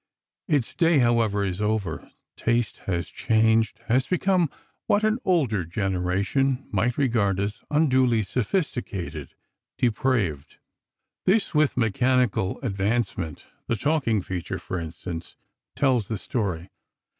Its day, however, is over. Taste has changed—has become what an older generation might regard as unduly sophisticated, depraved. This, with mechanical advancement—the talking feature, for instance—tells the story.